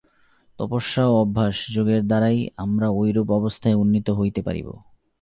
তপস্যা ও অভ্যাস-যোগের দ্বারাই আমরা ঐরূপ অবস্থায় উন্নীত হইতে পারিব।